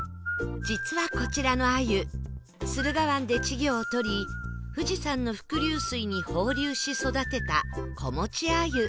実はこちらの鮎駿河湾で稚魚をとり富士山の伏流水に放流し育てた子持ち鮎